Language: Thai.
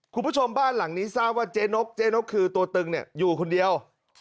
คุณผู้ชมบ้านหลังนี้ทราบว่าเจ๊นกเจ๊นกคือตัวตึงเนี่ยอยู่คนเดียว